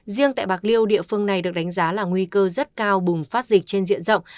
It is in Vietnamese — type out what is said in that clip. riêng tại bạc liêu địa phương này được đánh giá là nguy cơ rất cao bùng phát dịch trên diện rộng